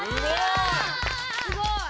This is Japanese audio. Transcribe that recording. すごい！